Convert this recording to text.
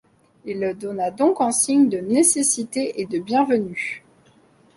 Il le donna donc en signe de nécessité et de bienvenue.